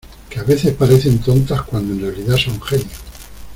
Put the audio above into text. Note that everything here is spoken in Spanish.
que a veces parecen tontas cuando en realidad son genios.